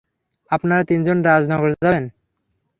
আপনারা তিনজন রাজনগর যাবেন।